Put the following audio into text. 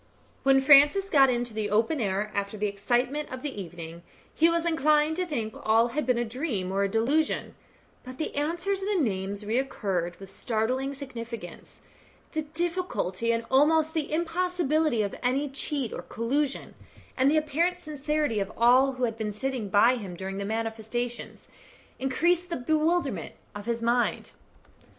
When Francis got into the open air after the excitement of the evening, he was inclined to think that all had been a dream or a delusion, but the answer and the names recurred with startling significance; the difficulty and almost the impossibility of any cheat or collusion, and the apparent sincerity of all who had been sitting by him during the manifestations, increased the bewilderment of his mind.